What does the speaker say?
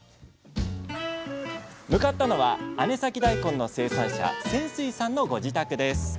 向かったのは姉崎だいこんの生産者泉水さんのご自宅です